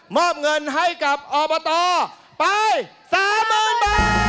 อบเงินให้กับอบตไป๓๐๐๐บาท